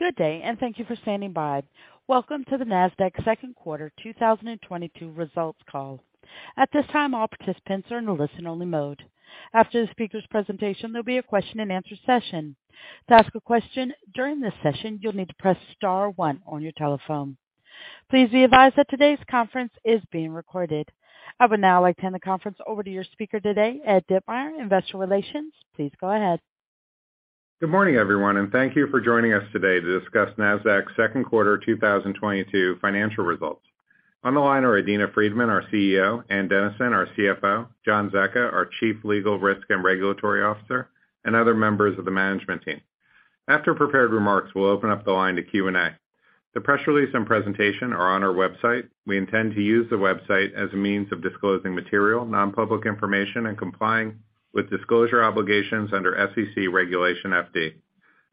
Good day, and thank you for standing by. Welcome to the Nasdaq second quarter 2022 results call. At this time, all participants are in a listen-only mode. After the speaker's presentation, there'll be a question-and-answer session. To ask a question during this session, you'll need to press star one on your telephone. Please be advised that today's conference is being recorded. I would now like to hand the conference over to your speaker today, Ed Ditmire, Investor Relations. Please go ahead. Good morning, everyone, and thank you for joining us today to discuss Nasdaq's second quarter 2022 financial results. On the line are Adena Friedman, our CEO; Ann Dennison, our CFO; John Zecca, our Chief Legal, Risk, and Regulatory Officer; and other members of the management team. After prepared remarks, we'll open up the line to Q&A. The press release and presentation are on our website. We intend to use the website as a means of disclosing material, non-public information, and complying with disclosure obligations under SEC Regulation FD.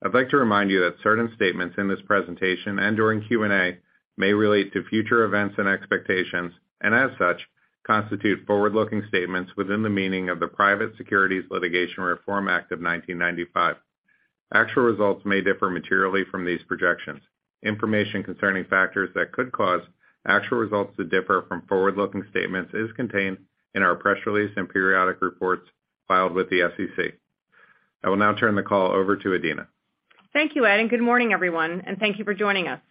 I'd like to remind you that certain statements in this presentation and during Q&A may relate to future events and expectations and, as such, constitute forward-looking statements within the meaning of the Private Securities Litigation Reform Act of 1995. Actual results may differ materially from these projections. Information concerning factors that could cause actual results to differ from forward-looking statements is contained in our press release and periodic reports filed with the SEC. I will now turn the call over to Adena. Thank you, Ed, and good morning, everyone, and thank you for joining us.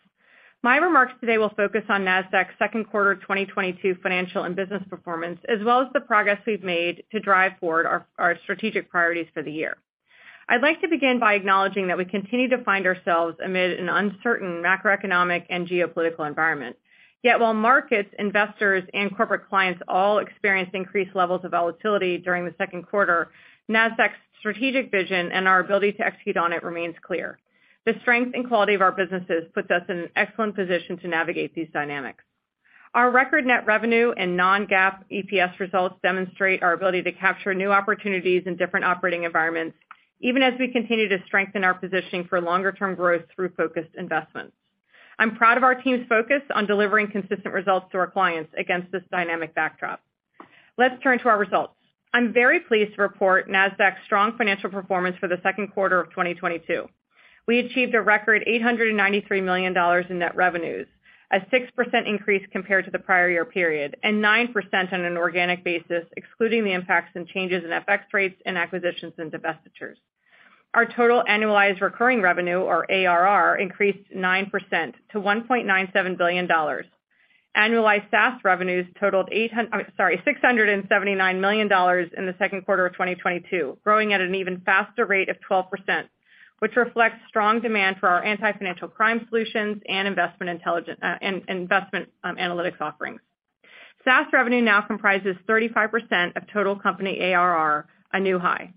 My remarks today will focus on Nasdaq's second quarter 2022 financial and business performance, as well as the progress we've made to drive forward our strategic priorities for the year. I'd like to begin by acknowledging that we continue to find ourselves amid an uncertain macroeconomic and geopolitical environment. Yet while markets, investors, and corporate clients all experienced increased levels of volatility during the second quarter, Nasdaq's strategic vision and our ability to execute on it remains clear. The strength and quality of our businesses puts us in an excellent position to navigate these dynamics. Our record net revenue and non-GAAP EPS results demonstrate our ability to capture new opportunities in different operating environments, even as we continue to strengthen our positioning for longer-term growth through focused investments. I'm proud of our team's focus on delivering consistent results to our clients against this dynamic backdrop. Let's turn to our results. I'm very pleased to report Nasdaq's strong financial performance for the second quarter of 2022. We achieved a record $893 million in net revenues, a 6% increase compared to the prior year period, and 9% on an organic basis, excluding the impacts and changes in FX rates and acquisitions and divestitures. Our total annualized recurring revenue, or ARR, increased 9% to $1.97 billion. Annualized SaaS revenues totaled $679 million in the second quarter of 2022, growing at an even faster rate of 12%, which reflects strong demand for our Anti-Financial Crime solutions and investment analytics offerings. SaaS revenue now comprises 35% of total company ARR, a new high.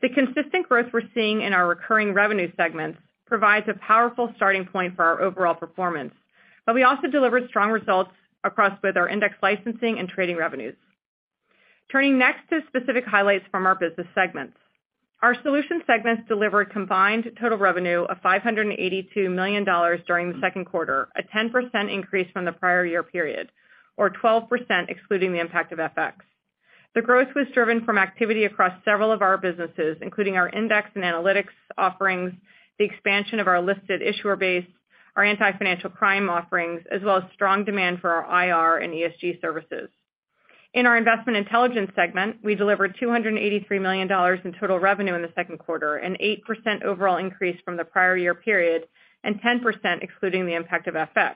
The consistent growth we're seeing in our recurring revenue segments provides a powerful starting point for our overall performance, but we also delivered strong results across both our index licensing and trading revenues. Turning next to specific highlights from our business segments. Our solutions segments delivered combined total revenue of $582 million during the second quarter, a 10% increase from the prior year period, or 12% excluding the impact of FX. The growth was driven from activity across several of our businesses, including our index and analytics offerings, the expansion of our listed issuer base, our Anti-Financial Crime offerings, as well as strong demand for our IR and ESG services. In our investment intelligence segment, we delivered $283 million in total revenue in the second quarter, an 8% overall increase from the prior year period and 10% excluding the impact of FX,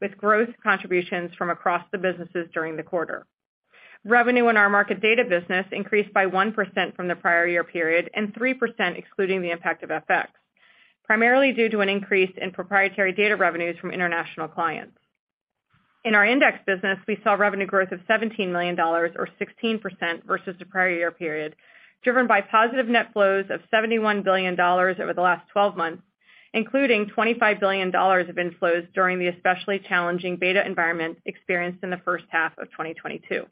with growth contributions from across the businesses during the quarter. Revenue in our market data business increased by 1% from the prior year period and 3% excluding the impact of FX, primarily due to an increase in proprietary data revenues from international clients. In our index business, we saw revenue growth of $17 million or 16% versus the prior year period, driven by positive net flows of $71 billion over the last 12 months, including $25 billion of inflows during the especially challenging beta environment experienced in the first half of 2022.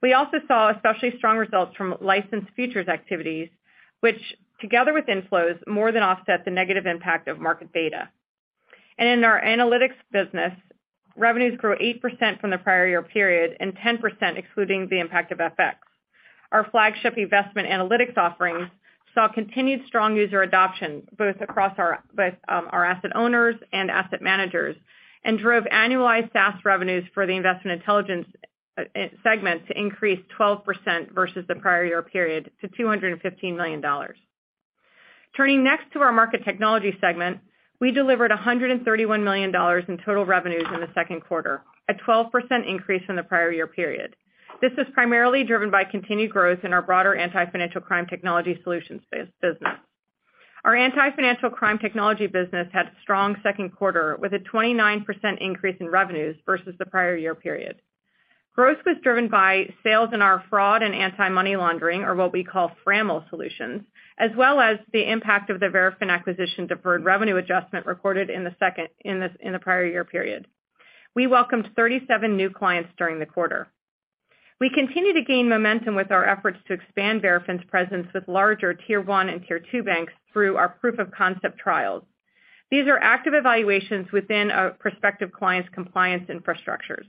We also saw especially strong results from licensed features activities, which together with inflows, more than offset the negative impact of market data. In our analytics business, revenues grew 8% from the prior year period and 10% excluding the impact of FX. Our flagship investment analytics offerings saw continued strong user adoption, both across our asset owners and asset managers, and drove annualized SaaS revenues for the investment intelligence segment to increase 12% versus the prior year period to $215 million. Turning next to our Market Technology segment, we delivered $131 million in total revenues in the second quarter, a 12% increase in the prior year period. This was primarily driven by continued growth in our broader Anti-Financial Crime Technology solutions business. Our Anti-Financial Crime technology business had a strong second quarter, with a 29% increase in revenues versus the prior year period. Growth was driven by sales in our fraud and anti-money laundering, or what we call FRAML solutions, as well as the impact of the Verafin acquisition deferred revenue adjustment recorded in the prior year period. We welcomed 37 new clients during the quarter. We continue to gain momentum with our efforts to expand Verafin's presence with larger Tier 1 and Tier 2 banks through our proof of concept trials. These are active evaluations within a prospective client's compliance infrastructures.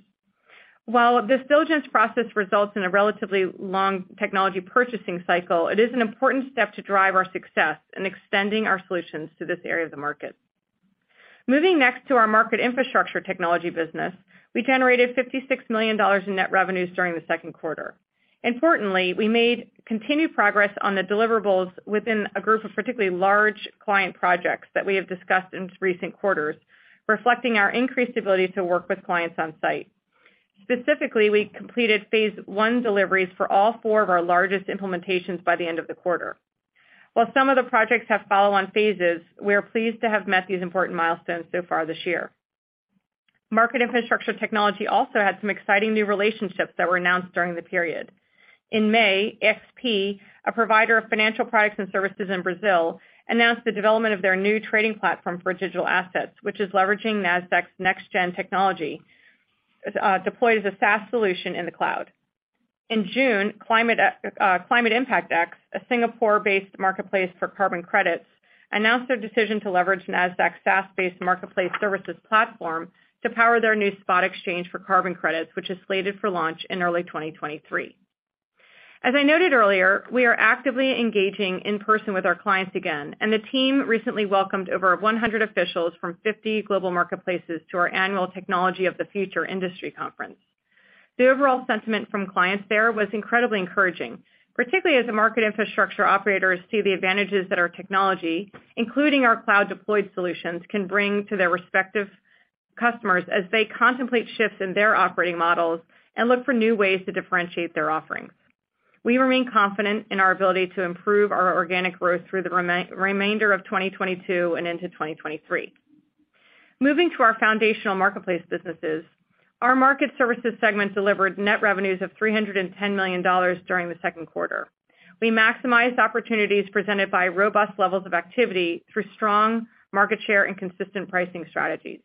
While this diligence process results in a relatively long technology purchasing cycle, it is an important step to drive our success in extending our solutions to this area of the market. Moving next to our market infrastructure technology business. We generated $56 million in net revenues during the second quarter. Importantly, we made continued progress on the deliverables within a group of particularly large client projects that we have discussed in recent quarters, reflecting our increased ability to work with clients on site. Specifically, we completed phase one deliveries for all four of our largest implementations by the end of the quarter. While some of the projects have follow-on phases, we are pleased to have met these important milestones so far this year. Market infrastructure technology also had some exciting new relationships that were announced during the period. In May, XP, a provider of financial products and services in Brazil, announced the development of their new trading platform for digital assets, which is leveraging Nasdaq's next gen technology, deploys a SaaS solution in the cloud. In June, Climate Impact X, a Singapore-based marketplace for carbon credits, announced their decision to leverage Nasdaq's SaaS-based marketplace services platform to power their new spot exchange for carbon credits, which is slated for launch in early 2023. As I noted earlier, we are actively engaging in person with our clients again, and the team recently welcomed over 100 officials from 50 global marketplaces to our annual Technology of the Future Industry conference. The overall sentiment from clients there was incredibly encouraging, particularly as the market infrastructure operators see the advantages that our technology, including our cloud deployed solutions, can bring to their respective customers as they contemplate shifts in their operating models and look for new ways to differentiate their offerings. We remain confident in our ability to improve our organic growth through the remainder of 2022 and into 2023. Moving to our foundational marketplace businesses. Our Market Services segment delivered net revenues of $310 million during the second quarter. We maximized opportunities presented by robust levels of activity through strong market share and consistent pricing strategies.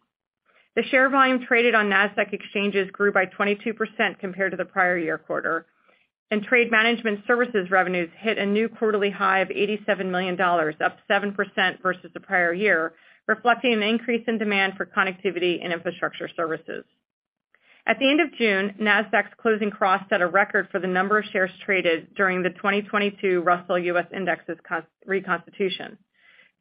The share volume traded on Nasdaq exchanges grew by 22% compared to the prior year quarter, and trade management services revenues hit a new quarterly high of $87 million, up 7% versus the prior year, reflecting an increase in demand for connectivity and infrastructure services. At the end of June, Nasdaq's Closing Cross set a record for the number of shares traded during the 2022 Russell US Indexes reconstitution.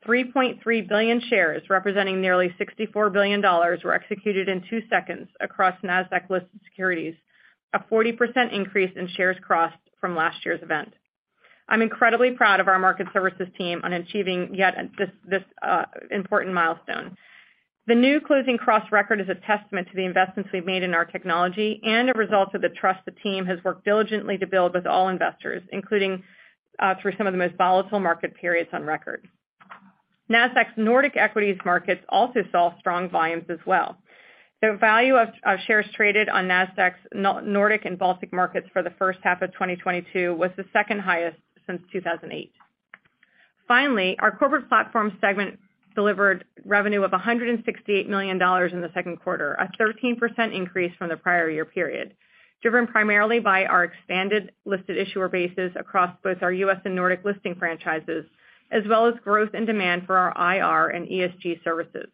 3.3 billion shares, representing nearly $64 billion, were executed in two seconds across Nasdaq-listed securities, a 40% increase in shares crossed from last year's event. I'm incredibly proud of our market services team for achieving another important milestone. The new Closing Cross record is a testament to the investments we've made in our technology and a result of the trust the team has worked diligently to build with all investors, including through some of the most volatile market periods on record. Nasdaq's Nordic equities markets also saw strong volumes as well. The value of shares traded on Nasdaq's Nordic and Baltic markets for the first half of 2022 was the second highest since 2008. Finally, our corporate platform segment delivered revenue of $168 million in the second quarter, a 13% increase from the prior year period, driven primarily by our expanded listed issuer bases across both our U.S. and Nordic listing franchises, as well as growth in demand for our IR and ESG services.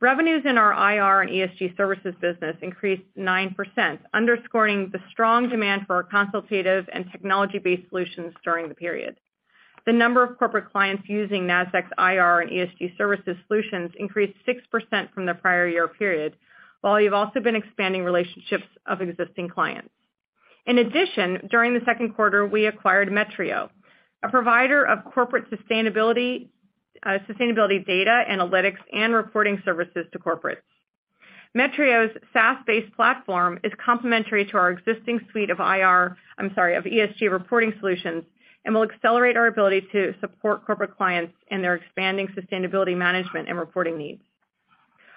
Revenues in our IR and ESG services business increased 9%, underscoring the strong demand for our consultative and technology-based solutions during the period. The number of corporate clients using Nasdaq's IR and ESG services solutions increased 6% from the prior year period, while we've also been expanding relationships of existing clients. In addition, during the second quarter, we acquired Metrio, a provider of corporate sustainability data, analytics, and reporting services to corporates. Metrio's SaaS-based platform is complementary to our existing suite of ESG reporting solutions and will accelerate our ability to support corporate clients in their expanding sustainability management and reporting needs.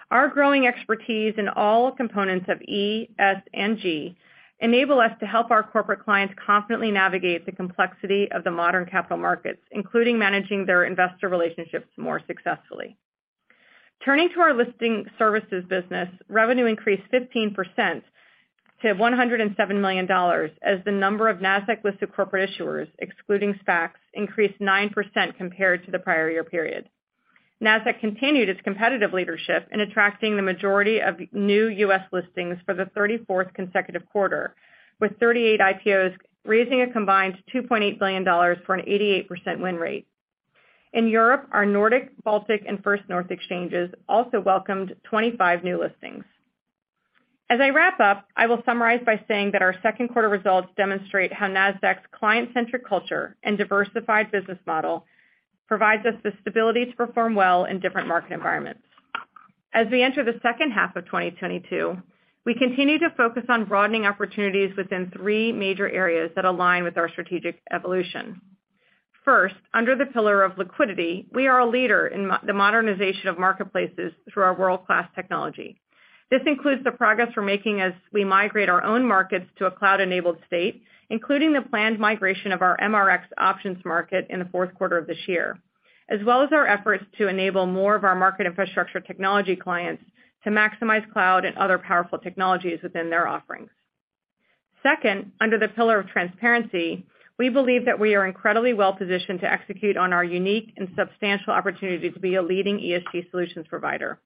Our growing expertise in all components of E, S, and G enable us to help our corporate clients confidently navigate the complexity of the modern capital markets, including managing their investor relationships more successfully. Turning to our listing services business, revenue increased 15% to $107 million, as the number of Nasdaq-listed corporate issuers, excluding SPACs, increased 9% compared to the prior year period. Nasdaq continued its competitive leadership in attracting the majority of new U.S. listings for the 34th consecutive quarter, with 38 IPOs raising a combined $2.8 billion for an 88% win rate. In Europe, our Nordic, Baltic, and First North exchanges also welcomed 25 new listings. As I wrap up, I will summarize by saying that our second quarter results demonstrate how Nasdaq's client-centric culture and diversified business model provides us the stability to perform well in different market environments. As we enter the second half of 2022, we continue to focus on broadening opportunities within three major areas that align with our strategic evolution. First, under the pillar of liquidity, we are a leader in the modernization of marketplaces through our world-class technology. This includes the progress we're making as we migrate our own markets to a cloud-enabled state, including the plAnnd migration of our MRX options market in the fourth quarter of this year, as well as our efforts to enable more of our market infrastructure technology clients to maximize cloud and other powerful technologies within their offerings. Second, under the pillar of transparency, we believe that we are incredibly well-positioned to execute on our unique and substantial opportunity to be a leading ESG solutions provider.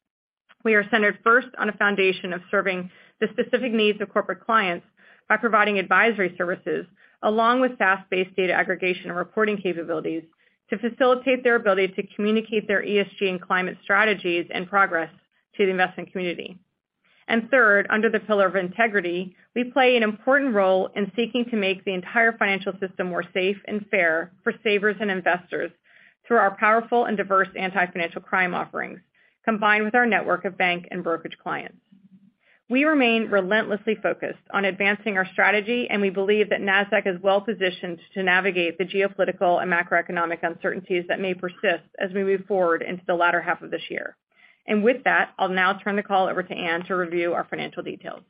We are centered first on a foundation of serving the specific needs of corporate clients by providing advisory services, along with SaaS-based data aggregation and reporting capabilities to facilitate their ability to communicate their ESG and climate strategies and progress to the investment community. Third, under the pillar of integrity, we play an important role in seeking to make the entire financial system more safe and fair for savers and investors through our powerful and diverse Anti-Financial Crime offerings, combined with our network of bank and brokerage clients. We remain relentlessly focused on advancing our strategy, and we believe that Nasdaq is well-positioned to navigate the geopolitical and macroeconomic uncertainties that may persist as we move forward into the latter half of this year. With that, I'll now turn the call over to Ann to review our financial details.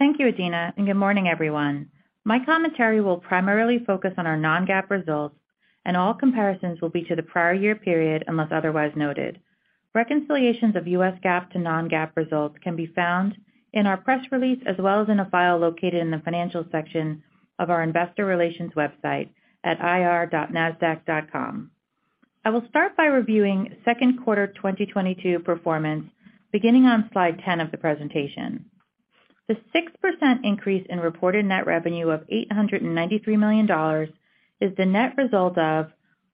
Thank you, Adena, and good morning, everyone. My commentary will primarily focus on our non-GAAP results, and all comparisons will be to the prior year period, unless otherwise noted. Reconciliations of U.S. GAAP to non-GAAP results can be found in our press release, as well as in a file located in the Financial section of our Investor Relations website at ir.nasdaq.com. I will start by reviewing second quarter 2022 performance, beginning on slide 10 of the presentation. The 6% increase in reported net revenue of $893 million is the net result of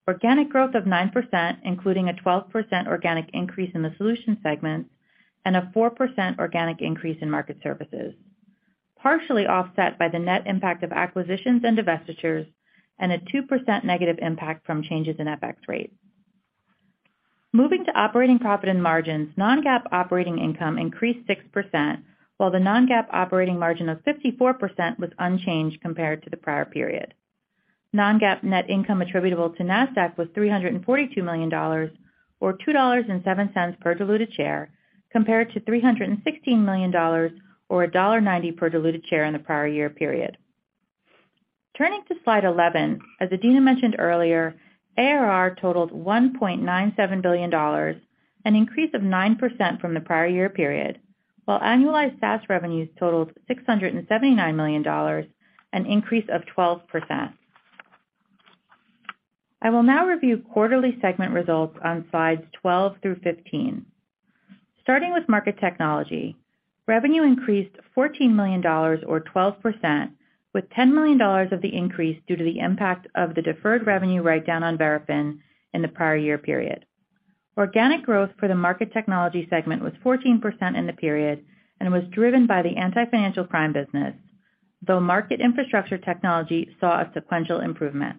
organic growth of 9%, including a 12% organic increase in the solution segment and a 4% organic increase in market services, partially offset by the net impact of acquisitions and divestitures and a 2% negative impact from changes in FX rate. Moving to operating profit and margins, non-GAAP operating income increased 6%, while the non-GAAP operating margin of 54% was unchanged compared to the prior period. Non-GAAP net income attributable to Nasdaq was $342 million or $2.07 per diluted share, compared to $316 million or $1.90 per diluted share in the prior year period. Turning to slide 11, as Adena mentioned earlier, ARR totaled $1.97 billion, an increase of 9% from the prior year period, while annualized SaaS revenues totaled $679 million, an increase of 12%. I will now review quarterly segment results on slides 12 through 15. Starting with Market Technology, revenue increased $14 million or 12%, with $10 million of the increase due to the impact of the deferred revenue write-down on Verafin in the prior year period. Organic growth for the Market Technology segment was 14% in the period and was driven by the Anti-Financial Crime business, though market infrastructure technology saw a sequential improvement.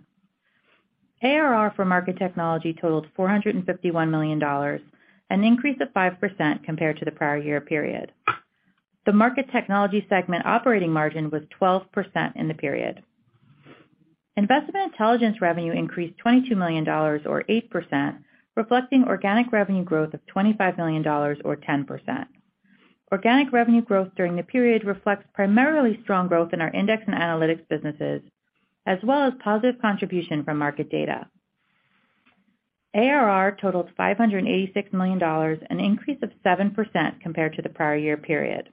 ARR for Market Technology totaled $451 million, an increase of 5% compared to the prior year period. The Market Technology segment operating margin was 12% in the period. Investment Intelligence revenue increased $22 million or 8%, reflecting organic revenue growth of $25 million or 10%. Organic revenue growth during the period reflects primarily strong growth in our index and analytics businesses, as well as positive contribution from market data. ARR totaled $586 million, an increase of 7% compared to the prior year period.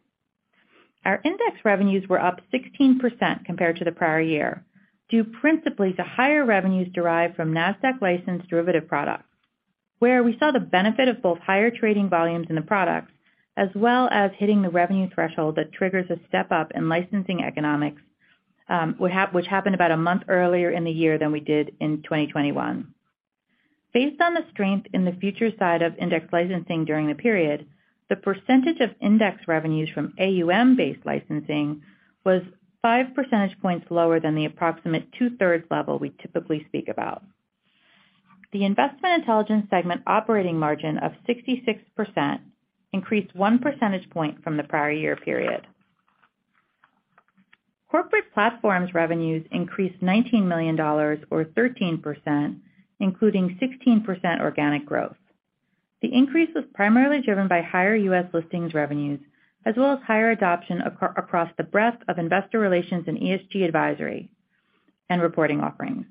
Our Index revenues were up 16% compared to the prior year, due principally to higher revenues derived from Nasdaq licensed derivative products, where we saw the benefit of both higher trading volumes in the products, as well as hitting the revenue threshold that triggers a step-up in licensing economics, which happened about a month earlier in the year than we did in 2021. Based on the strength in the future side of index licensing during the period, the percentage of index revenues from AUM-based licensing was 5 percentage points lower than the approximate 2/3 level we typically speak about. The investment intelligence segment operating margin of 66% increased 1 percentage point from the prior year period. Corporate platforms revenues increased $19 million or 13%, including 16% organic growth. The increase was primarily driven by higher U.S. listings revenues as well as higher adoption across the breadth of investor relations and ESG advisory and reporting offerings.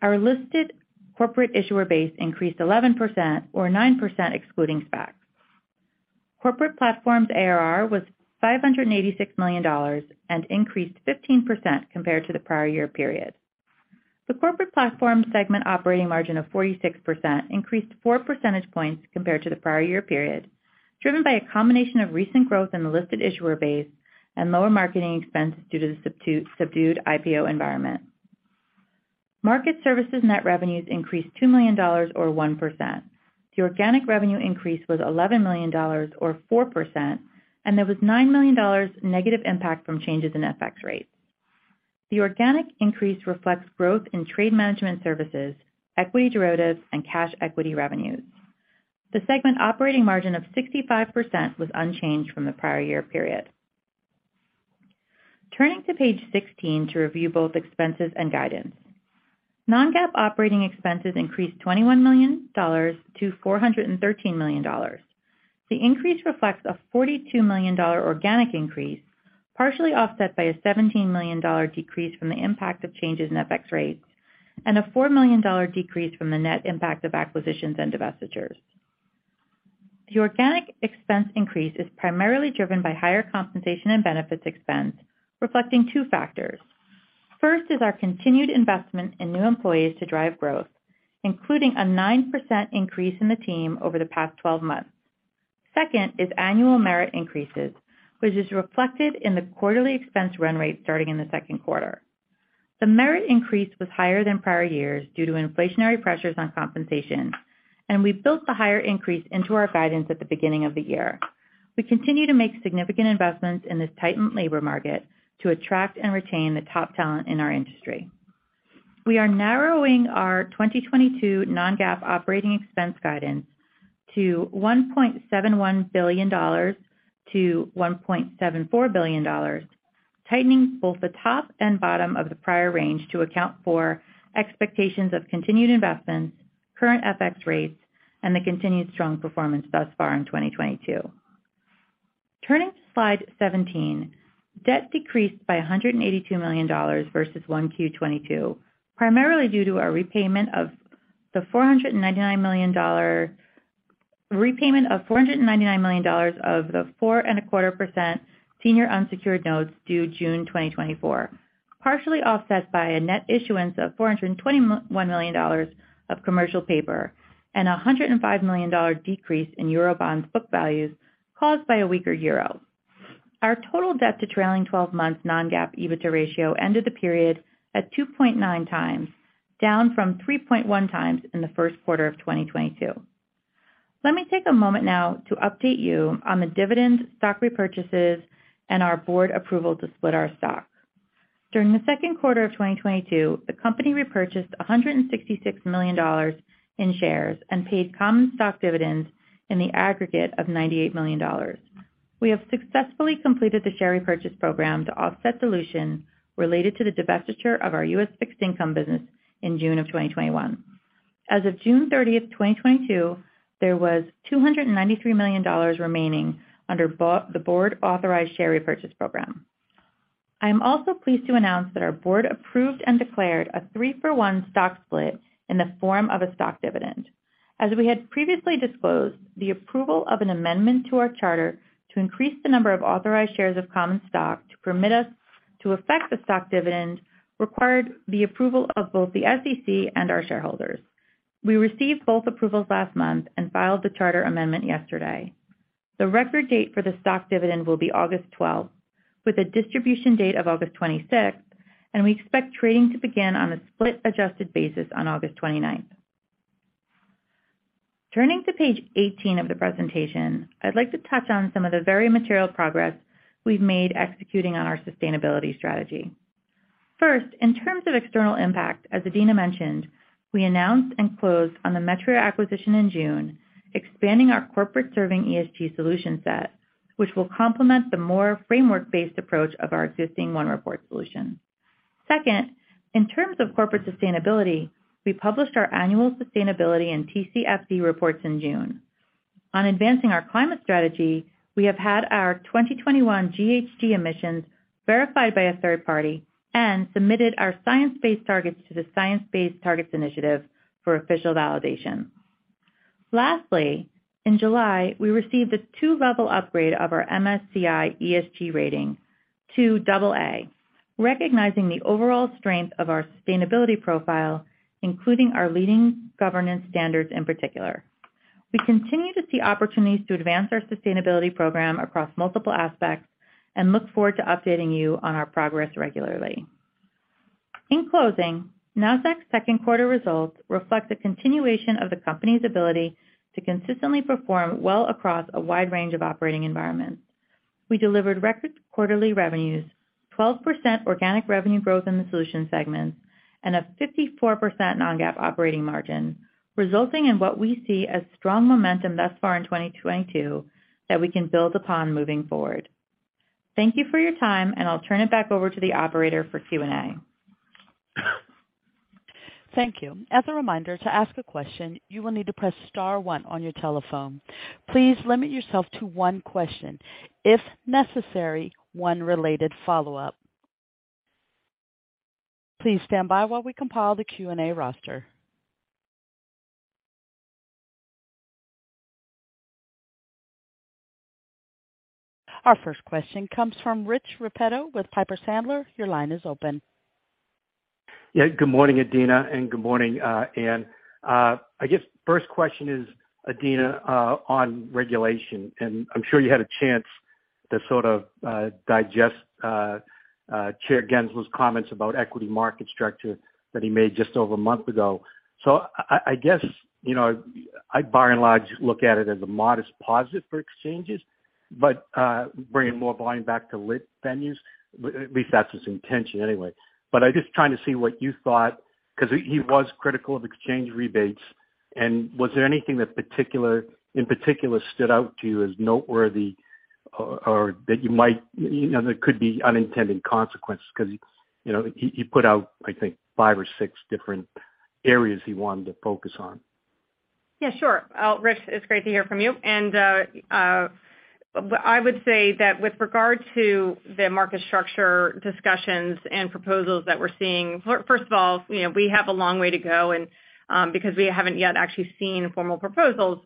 Our listed corporate issuer base increased 11% or 9% excluding SPACs. Corporate platforms ARR was $586 million and increased 15% compared to the prior year period. The corporate platform segment operating margin of 46% increased four percentage points compared to the prior year period, driven by a combination of recent growth in the listed issuer base and lower marketing expense due to the subdued IPO environment. Market services net revenues increased $2 million or 1%. The organic revenue increase was $11 million or 4%, and there was $9 million negative impact from changes in FX rate. The organic increase reflects growth in trade management services, equity derivatives, and cash equity revenues. The segment operating margin of 65% was unchanged from the prior year period. Turning to page 16 to review both expenses and guidance. non-GAAP operating expenses increased $21 million-$413 million. The increase reflects a $42 million organic increase, partially offset by a $17 million decrease from the impact of changes in FX rates and a $4 million decrease from the net impact of acquisitions and divestitures. The organic expense increase is primarily driven by higher compensation and benefits expense, reflecting two factors. First is our continued investment in new employees to drive growth, including a 9% increase in the team over the past 12 months. Second is annual merit increases, which is reflected in the quarterly expense run rate starting in the second quarter. The merit increase was higher than prior years due to inflationary pressures on compensation, and we've built the higher increase into our guidance at the beginning of the year. We continue to make significant investments in this tightened labor market to attract and retain the top talent in our industry. We are narrowing our 2022 non-GAAP operating expense guidance to $1.71 billion-$1.74 billion, tightening both the top and bottom of the prior range to account for expectations of continued investments, current FX rates, and the continued strong performance thus far in 2022. Turning to slide 17. Debt decreased by $182 million versus Q1 2022, primarily due to our repayment of $499 million of the 4.25% senior unsecured notes due June 2024, partially offset by a net issuance of $421 million of commercial paper and $105 million decrease in Eurobonds book values caused by a weaker euro. Our total debt to trailing 12 months non-GAAP EBITDA ratio ended the period at 2.9x, down from 3.1x in the first quarter of 2022. Let me take a moment now to update you on the dividend stock repurchases and our board approval to split our stock. During the second quarter of 2022, the company repurchased $166 million in shares and paid common stock dividends in the aggregate of $98 million. We have successfully completed the share repurchase program to offset dilution related to the divestiture of our Fixed Income business in June 2021. As of June 30th, 2022, there was $293 million remaining under the board-authorized share repurchase program. I am also pleased to announce that our board approved and declared a 3-for-1 stock split in the form of a stock dividend. As we had previously disclosed, the approval of an amendment to our charter to increase the number of authorized shares of common stock to permit us to affect the stock dividend required the approval of both the SEC and our shareholders. We received both approvals last month and filed the charter amendment yesterday. The record date for the stock dividend will be August 12th, with a distribution date of August 26th, and we expect trading to begin on a split-adjusted basis on August 29th. Turning to page 18 of the presentation, I'd like to touch on some of the very material progress we've made executing on our sustainability strategy. First, in terms of external impact, as Adena mentioned, we announced and closed on the Metrio acquisition in June, expanding our corporate sustainability ESG solution set, which will complement the more framework-based approach of our existing OneReport solution. Second, in terms of corporate sustainability, we published our annual sustainability and TCFD reports in June. On advancing our climate strategy, we have had our 2021 GHG emissions verified by a third party and submitted our science-based targets to the Science Based Targets initiative for official validation. Lastly, in July, we received a 2-level upgrade of our MSCI ESG rating to AA, recognizing the overall strength of our sustainability profile, including our leading governance standards in particular. We continue to see opportunities to advance our sustainability program across multiple aspects and look forward to updating you on our progress regularly. In closing, Nasdaq's second quarter results reflect the continuation of the company's ability to consistently perform well across a wide range of operating environments. We delivered record quarterly revenues, 12% organic revenue growth in the solutions segment, and a 54% non-GAAP operating margin, resulting in what we see as strong momentum thus far in 2022 that we can build upon moving forward. Thank you for your time, and I'll turn it back over to the operator for Q&A. Thank you. As a reminder, to ask a question, you will need to press star one on your telephone. Please limit yourself to one question, if necessary, one related follow-up. Please stand by while we compile the Q&A roster. Our first question comes from Rich Repetto with Piper Sandler. Your line is open. Yeah. Good morning, Adena, and good morning, Ann. I guess first question is, Adena, on regulation, and I'm sure you had a chance to sort of digest Chair Gensler's comments about equity market structure that he made just over a month ago. I guess, you know, I by and large look at it as a modest positive for exchanges, but bringing more volume back to lit venues. At least that's his intention anyway. I'm just trying to see what you thought because he was critical of exchange rebates. Was there anything in particular that stood out to you as noteworthy or that you might, you know, that could be unintended consequences because, you know, he put out, I think, five or six different areas he wanted to focus on. Yeah, sure. Rich, it's great to hear from you. Well, I would say that with regard to the market structure discussions and proposals that we're seeing, first of all, you know, we have a long way to go and, because we haven't yet actually seen formal proposals.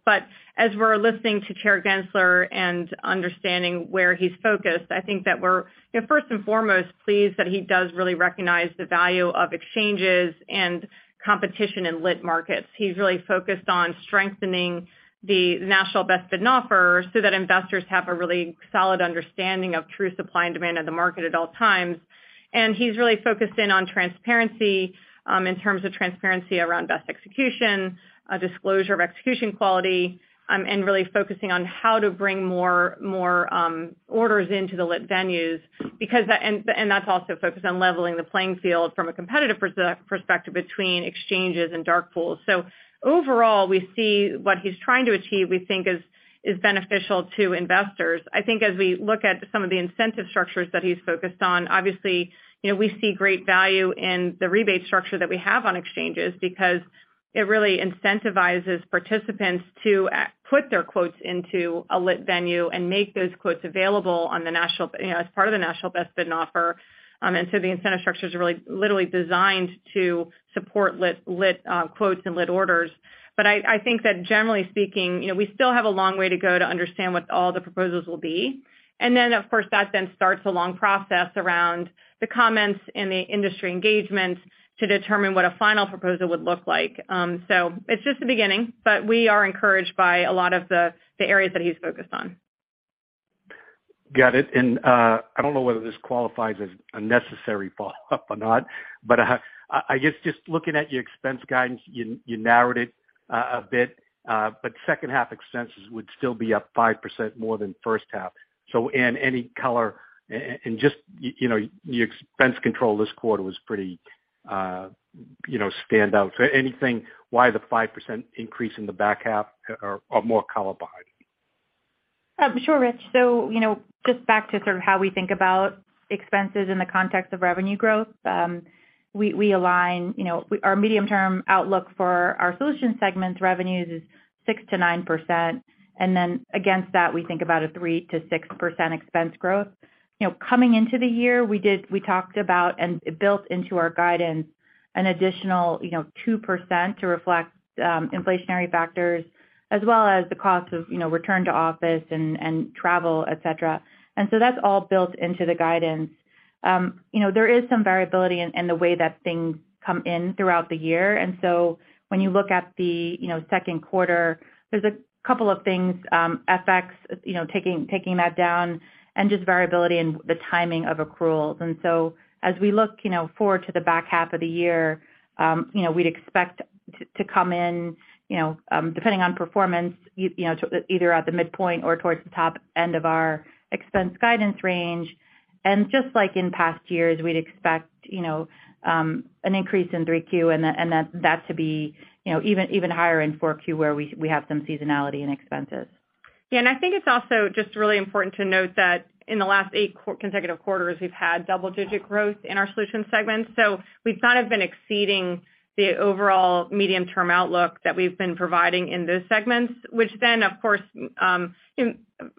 As we're listening to Chair Gensler and understanding where he's focused, I think that we're, you know, first and foremost, pleased that he does really recognize the value of exchanges and competition in lit markets. He's really focused on strengthening the National Best Bid and Offer so that investors have a really solid understanding of true supply and demand of the market at all times. He's really focused in on transparency, in terms of transparency around best execution, disclosure of execution quality, and really focusing on how to bring more orders into the lit venues. Because that. That's also focused on leveling the playing field from a competitive perspective between exchanges and dark pools. Overall, we see what he's trying to achieve, we think is beneficial to investors. I think as we look at some of the incentive structures that he's focused on, obviously, you know, we see great value in the rebate structure that we have on exchanges because it really incentivizes participants to put their quotes into a lit venue and make those quotes available on the national, you know, as part of the National Best Bid and Offer. The incentive structure is really literally designed to support lit quotes and lit orders. I think that generally speaking, you know, we still have a long way to go to understand what all the proposals will be. Of course, that then starts a long process around the comments and the industry engagement to determine what a final proposal would look like. It's just the beginning, but we are encouraged by a lot of the areas that he's focused on. Got it. I don't know whether this qualifies as a necessary follow-up or not, but I guess just looking at your expense guidance, you narrowed it a bit, but second half expenses would still be up 5% more than first half. Ann, any color in just, you know, your expense control this quarter was pretty, you know, stand out. Anything why the 5% increase in the back half or more color behind? Sure, Rich. You know, just back to sort of how we think about expenses in the context of revenue growth. We align, you know, our medium-term outlook for our solutions segments revenues is 6%-9%. Then against that, we think about a 3%-6% expense growth. You know, coming into the year, we talked about and built into our guidance an additional, you know, 2% to reflect inflationary factors as well as the cost of, you know, return to office and travel, et cetera. That's all built into the guidance. You know, there is some variability in the way that things come in throughout the year. When you look at the, you know, second quarter, there's a couple of things, FX, you know, taking that down and just variability in the timing of accruals. As we look, you know, forward to the back half of the year, you know, we'd expect to come in, you know, depending on performance, you know, to either at the midpoint or towards the top end of our expense guidance range. Just like in past years, we'd expect, you know, an increase in Q3 and that to be, you know, even higher in Q4, where we have some seasonality and expenses. Yeah, I think it's also just really important to note that in the last eight consecutive quarters, we've had double-digit growth in our solutions segment. We have been exceeding the overall medium-term outlook that we've been providing in those segments, which then of course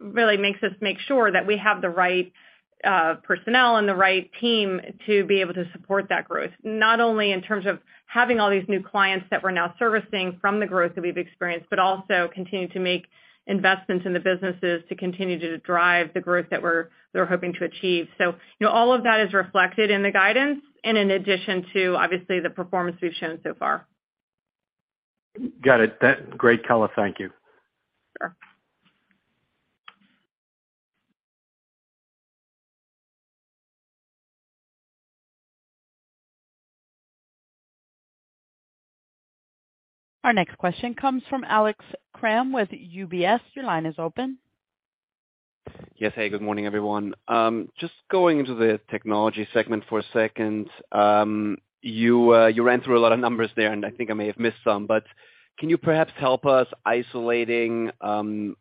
really makes us make sure that we have the right personnel and the right team to be able to support that growth. Not only in terms of having all these new clients that we're now servicing from the growth that we've experienced, but also continuing to make investments in the businesses to continue to drive the growth that we're hoping to achieve. You know, all of that is reflected in the guidance and in addition to obviously the performance we've shown so far. Got it. Great color. Thank you. Sure. Our next question comes from Alex Kramm with UBS. Your line is open. Yes. Hey, good morning, everyone. Just going into the technology segment for a second. You ran through a lot of numbers there, and I think I may have missed some, but can you perhaps help us isolating the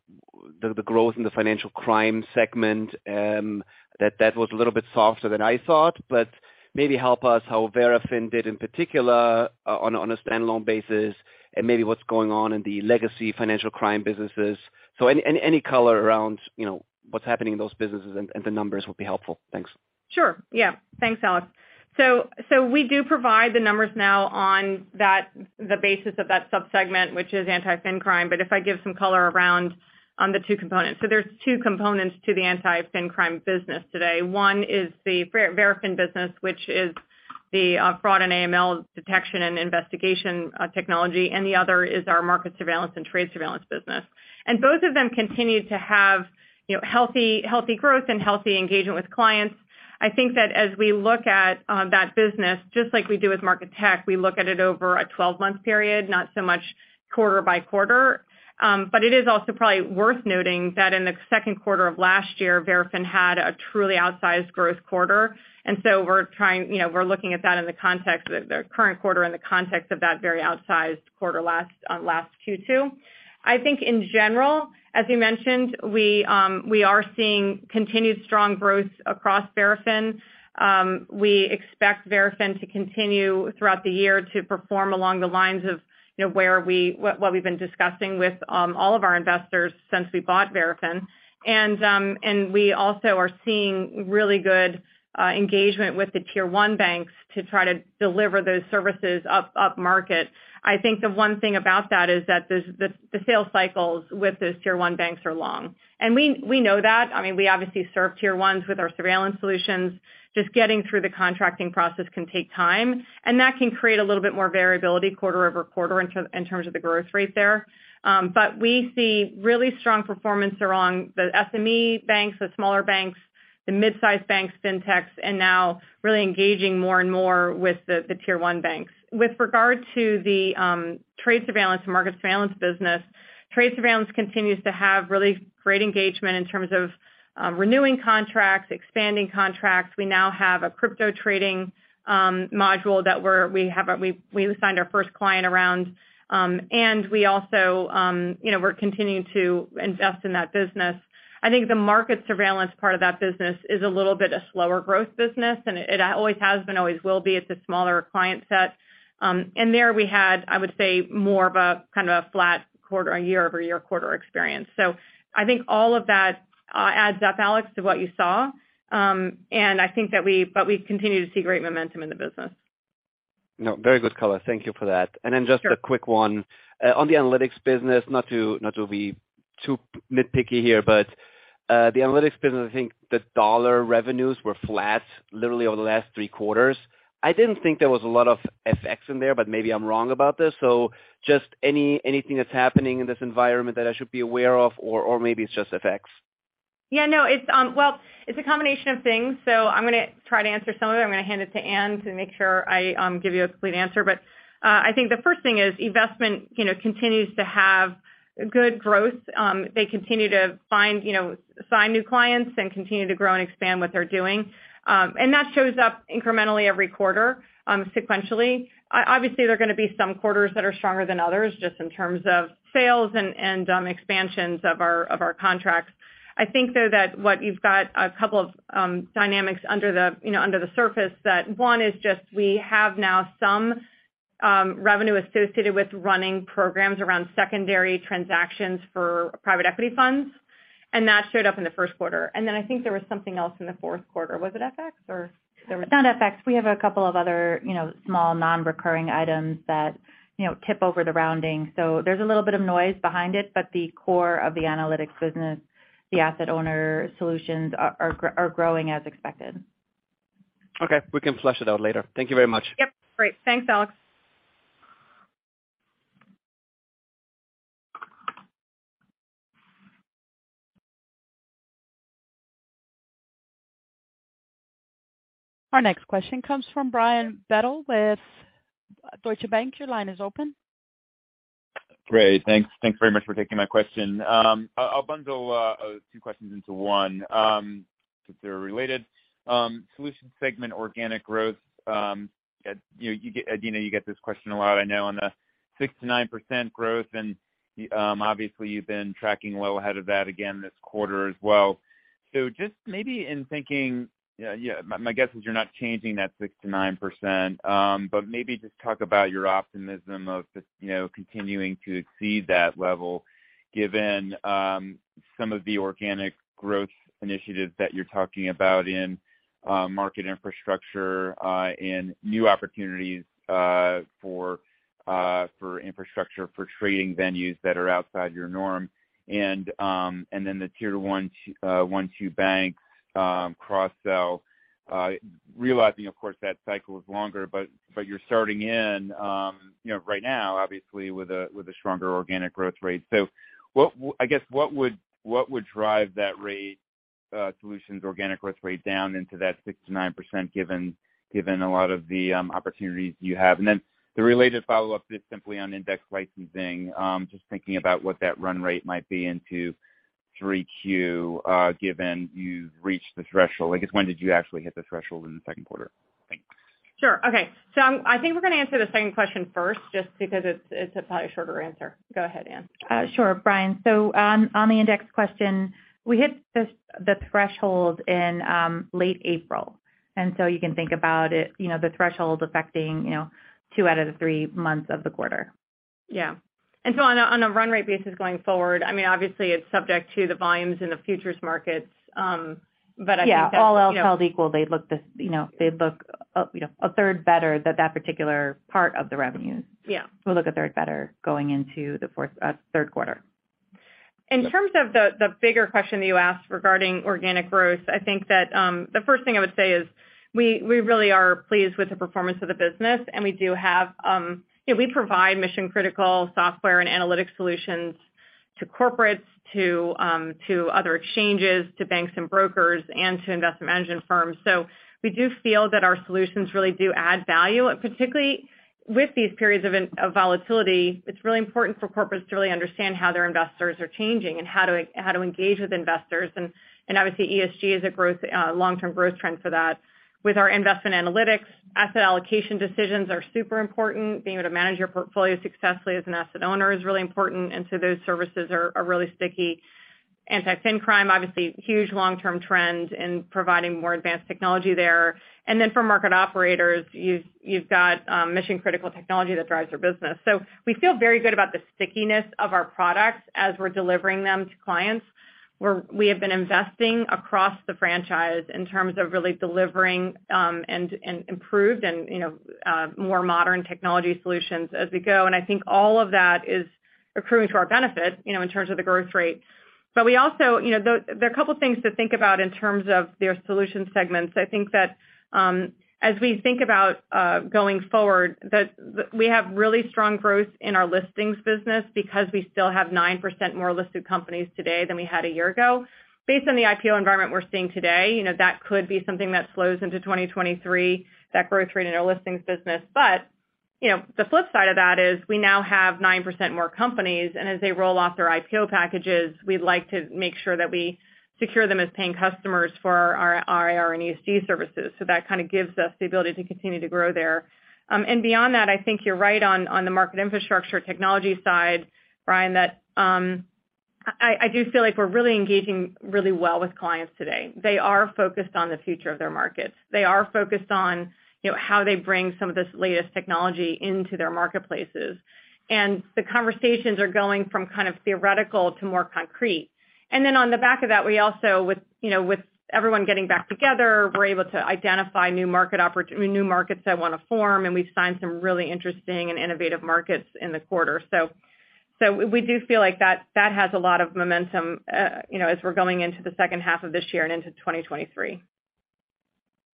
growth in the financial crime segment? That was a little bit softer than I thought, but maybe help us how Verafin did in particular on a standalone basis and maybe what's going on in the legacy financial crime businesses. Any color around, you know, what's happening in those businesses and the numbers would be helpful. Thanks. Sure. Yeah. Thanks, Alex. So we do provide the numbers now on that, the basis of that sub-segment, which is Anti-Financial Crime. If I give some color on the two components. There's two components to the Anti-Fin Crime business today. One is the Verafin business, which is the fraud and AML detection and investigation technology, and the other is our market surveillance and trade surveillance business. Both of them continue to have, you know, healthy growth and healthy engagement with clients. I think that as we look at that business, just like we do with Market Tech, we look at it over a 12-month period, not so much quarter by quarter. It is also probably worth noting that in the second quarter of last year, Verafin had a truly outsized growth quarter. We're trying, we're looking at that in the context of the current quarter in the context of that very outsized quarter last Q2. I think in general, as you mentioned, we are seeing continued strong growth across Verafin. We expect Verafin to continue throughout the year to perform along the lines of what we've been discussing with all of our investors since we bought Verafin. We also are seeing really good engagement with the Tier 1 banks to try to deliver those services up market. I think the one thing about that is that the sales cycles with those Tier 1 banks are long. We know that. I mean, we obviously serve Tier 1s with our surveillance solutions. Just getting through the contracting process can take time, and that can create a little bit more variability quarter-over-quarter in terms of the growth rate there. But we see really strong performance around the SME banks, the smaller banks, the mid-size banks, fintechs, and now really engaging more and more with the Tier 1 banks. With regard to the trade surveillance and market surveillance business, trade surveillance continues to have really great engagement in terms of renewing contracts, expanding contracts. We now have a crypto trading module that we have signed our first client, and we also, you know, we're continuing to invest in that business. I think the market surveillance part of that business is a little bit slower growth business, and it always has been, always will be. It's a smaller client set. There we had, I would say, more of a kind of a flat quarter and year-over-year quarter experience. I think all of that adds up, Alex, to what you saw, but we continue to see great momentum in the business. No, very good color. Thank you for that. Sure. Just a quick one. On the analytics business, not to be too nitpicky here, but the analytics business, I think the dollar revenues were flat literally over the last three quarters. I didn't think there was a lot of FX in there, but maybe I'm wrong about this. Just anything that's happening in this environment that I should be aware of or maybe it's just FX. Yeah, no. It's a combination of things, so I'm gonna try to answer some of it. I'm gonna hand it to Ann to make sure I give you a complete answer. I think the first thing is investment, you know, continues to have good growth. They continue to find, you know, sign new clients and continue to grow and expand what they're doing. That shows up incrementally every quarter, sequentially. Obviously, there are gonna be some quarters that are stronger than others just in terms of sales and expansions of our contracts. I think, though, that what you've got a couple of dynamics under the, you know, under the surface that one is just we have now some revenue associated with running programs around secondary transactions for private equity funds, and that showed up in the first quarter. Then I think there was something else in the fourth quarter. Was it FX or there was? It's not FX. We have a couple of other, you know, small non-recurring items that, you know, tip over the rounding. There's a little bit of noise behind it, but the core of the analytics business, the asset owner solutions are growing as expected. Okay. We can flesh it out later. Thank you very much. Yep. Great. Thanks, Alex. Our next question comes from Brian Bedell with Deutsche Bank. Your line is open. Great. Thanks. Thanks very much for taking my question. I'll bundle two questions into one, since they're related. Solutions segment organic growth, you know, Adena, you get this question a lot, I know, on the 6%-9% growth. Obviously you've been tracking well ahead of that again this quarter as well. Just maybe in thinking, my guess is you're not changing that 6%-9%, but maybe just talk about your optimism of just, you know, continuing to exceed that level given, some of the organic growth initiatives that you're talking about in, market infrastructure, and new opportunities, for infrastructure for trading venues that are outside your norm. Then the Tier 1, Tier 2 banks, cross-sell, realizing of course that cycle is longer, but you're starting in, you know, right now, obviously with a stronger organic growth rate. What would drive that rate, solutions organic growth rate down into that 6%-9% given a lot of the opportunities you have? Then the related follow-up is simply on index licensing. Just thinking about what that run rate might be into 3Q, given you've reached the threshold. I guess, when did you actually hit the threshold in the second quarter? Thanks. Sure. Okay. I think we're gonna answer the second question first just because it's a probably shorter answer. Go ahead, Ann. Sure, Brian. On the index question, we hit the threshold in late April, and you can think about it, you know, the threshold affecting, you know, two out of the three months of the quarter. Yeah. On a run rate basis going forward, I mean, obviously it's subject to the volumes in the futures markets, but I think that's. All else held equal, they'd look, you know, a third better, that particular part of the revenues. Yeah. We'll look a third better going into the third quarter. In terms of the bigger question that you asked regarding organic growth, I think that the first thing I would say is we really are pleased with the performance of the business, and we do have you know, we provide mission-critical software and analytic solutions to corporates, to other exchanges, to banks and brokers, and to investment management firms. We do feel that our solutions really do add value. Particularly with these periods of volatility, it's really important for corporates to really understand how their investors are changing and how to engage with investors. Obviously, ESG is a long-term growth trend for that. With our investment analytics, asset allocation decisions are super important. Being able to manage your portfolio successfully as an asset owner is really important, and so those services are really sticky. Anti-Fin Crime, obviously huge long-term trend in providing more advanced technology there. Then for market operators, you've got mission-critical technology that drives their business. We feel very good about the stickiness of our products as we're delivering them to clients. We have been investing across the franchise in terms of really delivering and improved and, you know, more modern technology solutions as we go. I think all of that is accruing to our benefit, you know, in terms of the growth rate. We also you know there are a couple of things to think about in terms of their solution segments. I think that as we think about going forward, we have really strong growth in our listings business because we still have 9% more listed companies today than we had a year ago. Based on the IPO environment we're seeing today, you know, that could be something that slows into 2023, that growth rate in our listings business. You know, the flip side of that is we now have 9% more companies, and as they roll off their IPO packages, we'd like to make sure that we secure them as paying customers for our IR and ESG services. That kinda gives us the ability to continue to grow there. Beyond that, I think you're right on the market infrastructure technology side, Brian, that I do feel like we're really engaging really well with clients today. They are focused on the future of their markets. They are focused on, you know, how they bring some of this latest technology into their marketplaces. The conversations are going from kind of theoretical to more concrete. On the back of that, we also with, you know, with everyone getting back together, we're able to identify new markets that wanna form, and we've signed some really interesting and innovative markets in the quarter. So we do feel like that has a lot of momentum, you know, as we're going into the second half of this year and into 2023.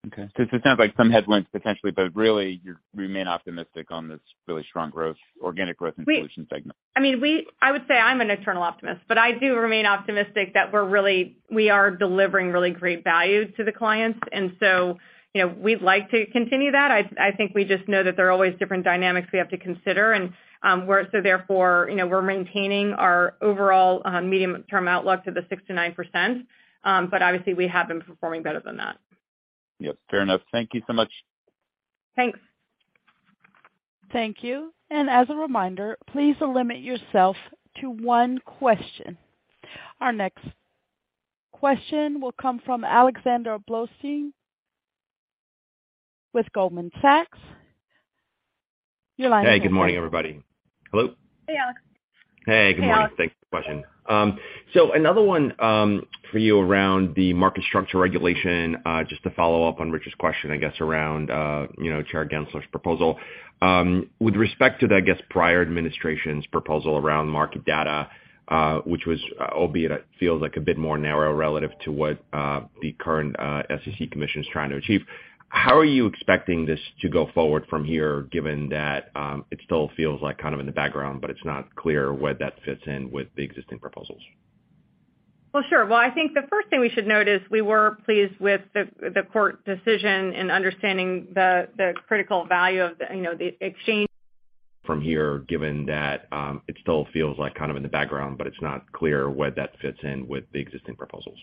Okay. It sounds like some headwinds potentially, but really you remain optimistic on this really strong growth, organic growth in Solutions segment. I mean, I would say I'm an eternal optimist, but I do remain optimistic that we are delivering really great value to the clients. You know, we'd like to continue that. I think we just know that there are always different dynamics we have to consider. So therefore, you know, we're maintaining our overall medium-term outlook to the 6%-9%. But obviously, we have been performing better than that. Yep, fair enough. Thank you so much. Thanks. Thank you. As a reminder, please limit yourself to one question. Our next question will come from Alexander Blostein with Goldman Sachs. Your line is open, sir. Hey, good morning, everybody. Hello? Hey, Alex. Hey, good morning. Hey, Alex. Thanks for the question. So another one for you around the market structure regulation, just to follow up on Rich's question, I guess, around you know, Chair Gensler's proposal. With respect to the, I guess, prior administration's proposal around market data, which was, albeit feels like a bit more narrow relative to what the current SEC commission is trying to achieve, how are you expecting this to go forward from here, given that it still feels like kind of in the background, but it's not clear where that fits in with the existing proposals? Well, sure. Well, I think the first thing we should note is we were pleased with the court decision in understanding the critical value of the, you know, the exchange- From here, given that, it still feels like kind of in the background, but it's not clear where that fits in with the existing proposals.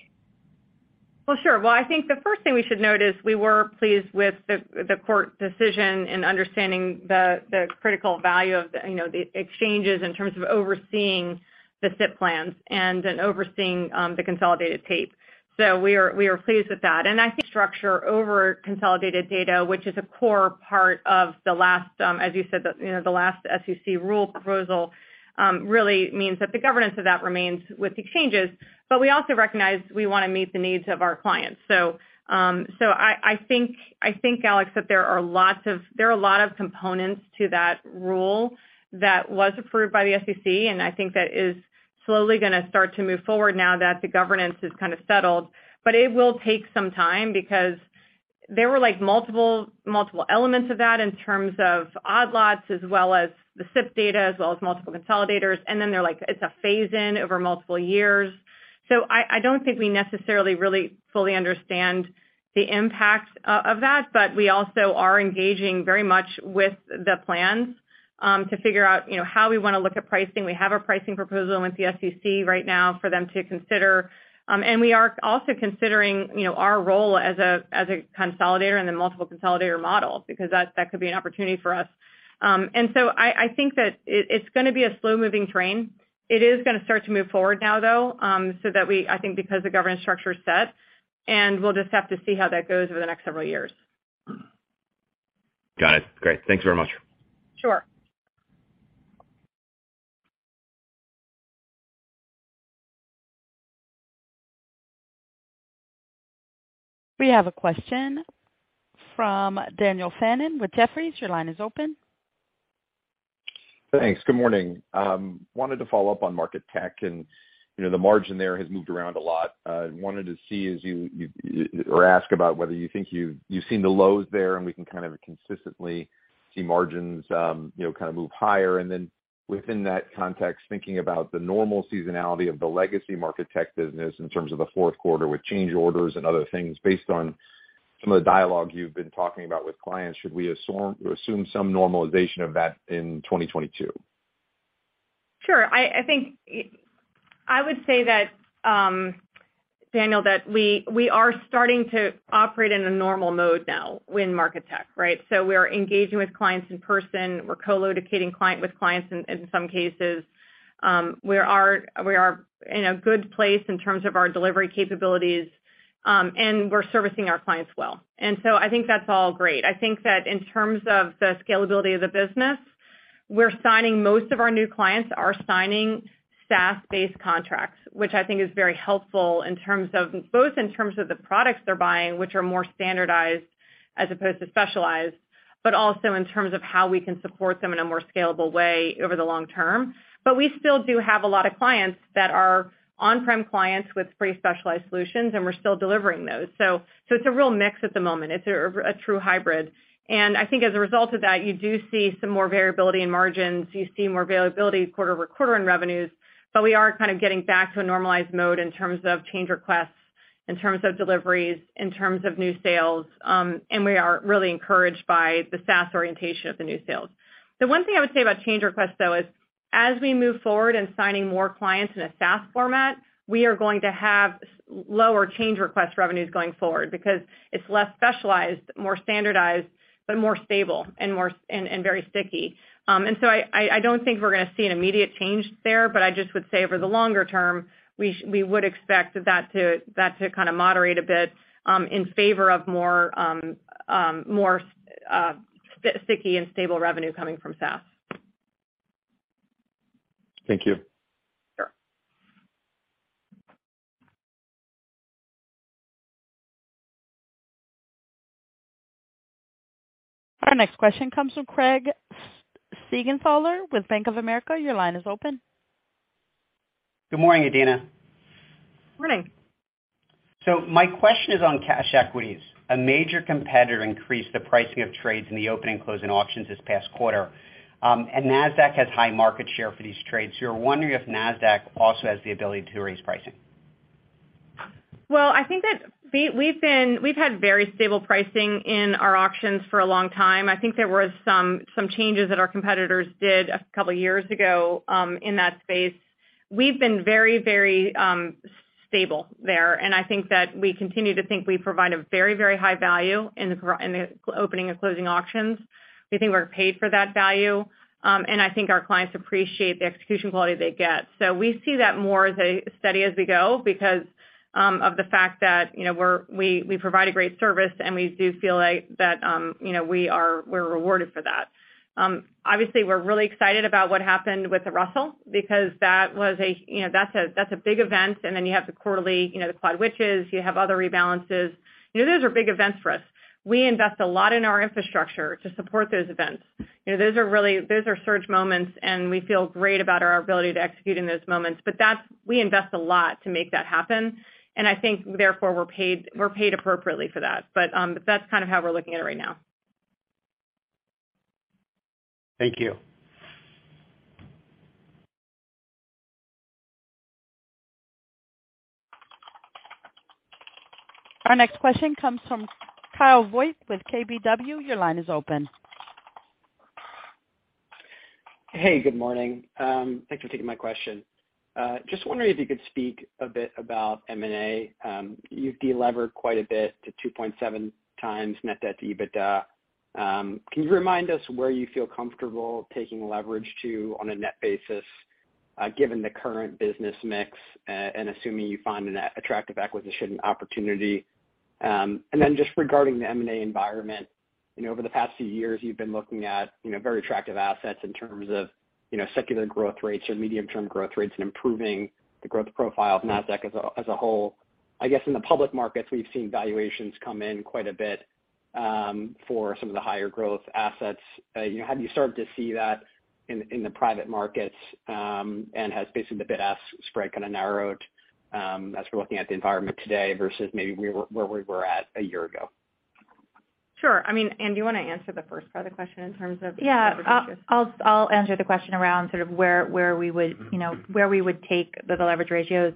Well, sure. Well, I think the first thing we should note is we were pleased with the court decision in understanding the critical value of the, you know, the exchanges in terms of overseeing the SIP plans and overseeing the consolidated tape. So we are pleased with that. I think structure over consolidated data, which is a core part of the last, as you said, the, you know, the last SEC rule proposal, really means that the governance of that remains with the exchanges. But we also recognize we wanna meet the needs of our clients. I think, Alex, that there are a lot of components to that rule that was approved by the SEC, and I think that is slowly gonna start to move forward now that the governance is kind of settled. But it will take some time because there were, like, multiple elements of that in terms of odd lots, as well as the SIP data, as well as multiple consolidators. It's a phase-in over multiple years. I don't think we necessarily really fully understand the impact of that, but we also are engaging very much with the plans to figure out, you know, how we wanna look at pricing. We have a pricing proposal with the SEC right now for them to consider. We are also considering, you know, our role as a consolidator in the multiple consolidator models because that could be an opportunity for us. I think that it's gonna be a slow-moving train. It is gonna start to move forward now, though. I think because the governance structure is set, and we'll just have to see how that goes over the next several years. Got it. Great. Thanks very much. Sure. We have a question from Daniel Fannon with Jefferies. Your line is open. Thanks. Good morning. Wanted to follow up on Market Tech, and, you know, the margin there has moved around a lot. Wanted to see if you or ask about whether you think you've seen the lows there, and we can kind of consistently see margins, you know, kind of move higher. Within that context, thinking about the normal seasonality of the legacy Market Tech business in terms of the fourth quarter with change orders and other things based on some of the dialogue you've been talking about with clients, should we assume some normalization of that in 2022? Sure. I think I would say that, Daniel, that we are starting to operate in a normal mode now in Market Tech, right? We're engaging with clients in person. We're co-locating with clients in some cases. We are in a good place in terms of our delivery capabilities, and we're servicing our clients well. I think that's all great. I think that in terms of the scalability of the business, we're seeing most of our new clients signing SaaS-based contracts, which I think is very helpful both in terms of the products they're buying, which are more standardized as opposed to specialized, but also in terms of how we can support them in a more scalable way over the long term. We still do have a lot of clients that are on-prem clients with pretty specialized solutions, and we're still delivering those. It's a real mix at the moment. It's a true hybrid. I think as a result of that, you do see some more variability in margins. You see more variability quarter-over-quarter in revenues. We are kind of getting back to a normalized mode in terms of change requests, in terms of deliveries, in terms of new sales, and we are really encouraged by the SaaS orientation of the new sales. The one thing I would say about change requests, though, is as we move forward in signing more clients in a SaaS format, we are going to have lower change request revenues going forward because it's less specialized, more standardized, but more stable and very sticky. I don't think we're gonna see an immediate change there, but I just would say over the longer term, we would expect that to kind of moderate a bit in favor of more sticky and stable revenue coming from SaaS. Thank you. Sure. Our next question comes from Craig Siegenthaler with Bank of America. Your line is open. Good morning, Adena. Morning. My question is on cash equities. A major competitor increased the pricing of trades in the opening and closing auctions this past quarter, and Nasdaq has high market share for these trades. You're wondering if Nasdaq also has the ability to raise pricing. I think that we've had very stable pricing in our auctions for a long time. I think there was some changes that our competitors did a couple years ago in that space. We've been very stable there, and I think that we continue to think we provide a very high value in the opening and closing auctions. We think we're paid for that value, and I think our clients appreciate the execution quality they get. We see that more as a steady as we go because of the fact that, you know, we provide a great service, and we do feel, like, that, you know, we're rewarded for that. Obviously, we're really excited about what happened with the Russell because that was, you know, a big event, and then you have the quarterly, you know, the quad witching, you have other rebalances. You know, those are big events for us. We invest a lot in our infrastructure to support those events. You know, those are really surge moments, and we feel great about our ability to execute in those moments. But that's. We invest a lot to make that happen, and I think therefore, we're paid appropriately for that. That's kind of how we're looking at it right now. Thank you. Our next question comes from Kyle Voigt with KBW. Your line is open. Hey, good morning. Thanks for taking my question. Just wondering if you could speak a bit about M&A. You've delevered quite a bit to 2.7x net debt to EBITDA. Can you remind us where you feel comfortable taking leverage to on a net basis, given the current business mix, and assuming you find an attractive acquisition opportunity? And then just regarding the M&A environment, you know, over the past few years, you've been looking at, you know, very attractive assets in terms of, you know, secular growth rates or medium-term growth rates and improving the growth profile of Nasdaq as a whole. I guess in the public markets, we've seen valuations come in quite a bit, for some of the higher growth assets. You know, have you started to see that in the private markets, and has basically the bid-ask spread kind of narrowed, as we're looking at the environment today versus maybe where we were at a year ago? Sure. I mean, Ann, do you wanna answer the first part of the question in terms of? Yeah. I'll answer the question around sort of where we would take the leverage ratios.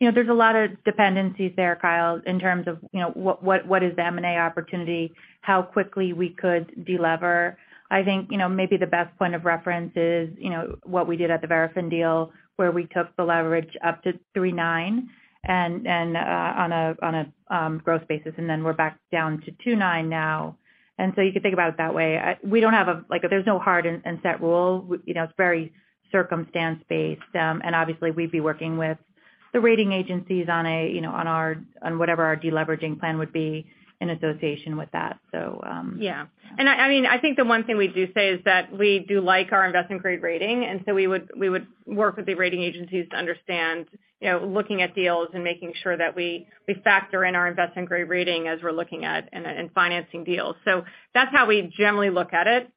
You know, there's a lot of dependencies there, Kyle, in terms of, you know, what is the M&A opportunity, how quickly we could delever. I think, you know, maybe the best point of reference is, you know, what we did at the Verafin deal, where we took the leverage up to 3.9x and, on a pro forma basis, and then we're back down to 2.9x now. You could think about it that way. We don't have a hard-and-fast rule. You know, it's very circumstance based. Obviously, we'd be working with the rating agencies, you know, on whatever our deleveraging plan would be in association with that. Yeah. I mean, I think the one thing we do say is that we do like our investment-grade rating, so we would work with the rating agencies to understand, you know, looking at deals and making sure that we factor in our investment-grade rating as we're looking at and financing deals. So that's how we generally look at it.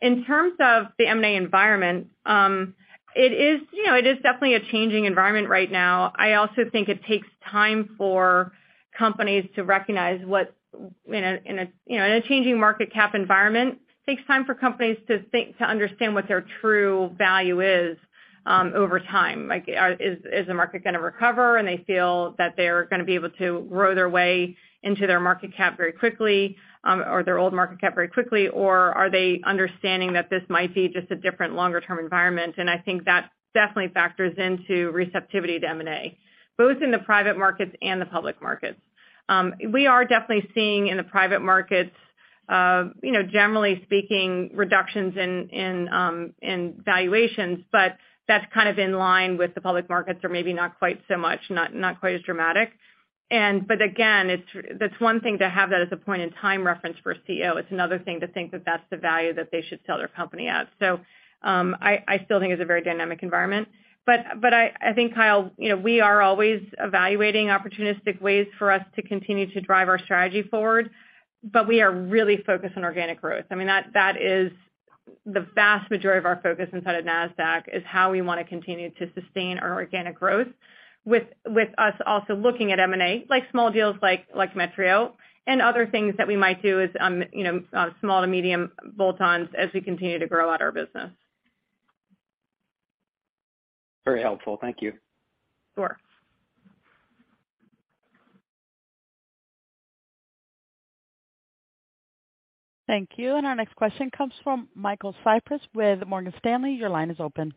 In terms of the M&A environment, it is, you know, definitely a changing environment right now. I also think it takes time for companies to recognize what. In a, you know, changing market cap environment, it takes time for companies to think, to understand what their true value is, over time. Like, is the market gonna recover, and they feel that they're gonna be able to grow their way into their market cap very quickly, or their old market cap very quickly, or are they understanding that this might be just a different longer-term environment? I think that definitely factors into receptivity to M&A, both in the private markets and the public markets. We are definitely seeing in the private markets, you know, generally speaking, reductions in valuations, but that's kind of in line with the public markets or maybe not quite so much, not quite as dramatic. But again, it's that one thing to have that as a point in time reference for a CEO. It's another thing to think that that's the value that they should sell their company at. I still think it's a very dynamic environment. I think, Kyle, you know, we are always evaluating opportunistic ways for us to continue to drive our strategy forward, but we are really focused on organic growth. I mean, that is the vast majority of our focus inside of Nasdaq is how we wanna continue to sustain our organic growth with us also looking at M&A, like small deals like Metrio and other things that we might do as, you know, small to medium bolt-ons as we continue to grow out our business. Very helpful. Thank you. Sure. Thank you. Our next question comes from Michael Cyprys with Morgan Stanley. Your line is open.